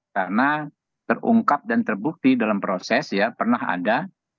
karena terungkap dan terbukti dalam proses ya pernah ada